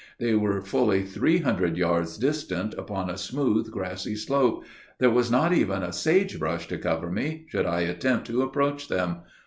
They were fully three hundred yards distant, upon a smooth, grassy slope. There was not even a sage bush to cover me, should I attempt to approach them.